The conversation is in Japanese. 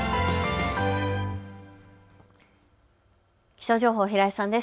気象情報、平井さんです。